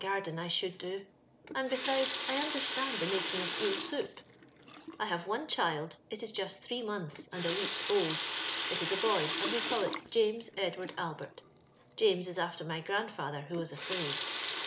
garden, I should do; and, besides, I under stand the making of eel soup. I have one child, — it is just three months and a week old. It is a boy, and we call it James Edward Albert. James is after my grandfather, who was a slave.